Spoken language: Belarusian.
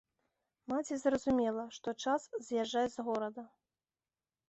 Маці зразумела, што час з'язджаць з горада.